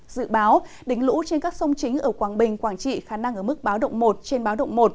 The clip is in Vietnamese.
dự báo đỉnh lũ trên các sông chính ở quảng bình quảng trị khả năng ở mức báo động một trên báo động một